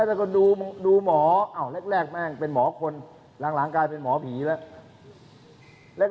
แล้วก็ดูหมอแรกแม่งเป็นหมอคนหลังกลายเป็นหมอผีแล้ว